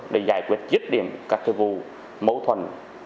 để giải quyết dứt điểm các vụ mâu thuẫn